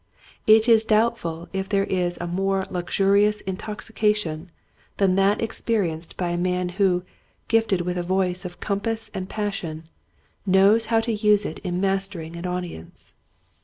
It is doubtful if there is a more luxurious in toxication than that experienced by a man who, gifted with a voice of compass and passion, knows how to use it in mastering an audience.